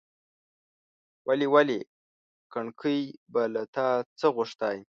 ولي! ولي! کڼکۍ به له تا څه غوښتاى ،